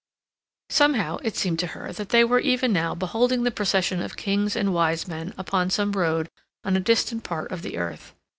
Somehow, it seemed to her that they were even now beholding the procession of kings and wise men upon some road on a distant part of the earth.